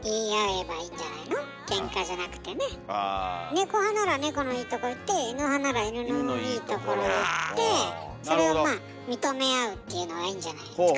ネコ派ならネコのいいとこ言ってイヌ派ならイヌのいいところを言ってそれをまあ認め合うっていうのがいいんじゃないですか。